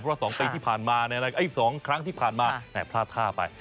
เพราะว่า๒ครั้งที่ผ่านมาพลาดท่าไป